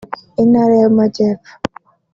Intara y’Amajyepfo